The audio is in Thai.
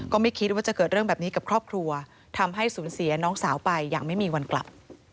ก็ไม่คิดว่าจะเกิดเรื่องแบบนี้กับครอบครัวทำให้สูญเสียน้องสาวไปอย่างไม่มีวันกลับ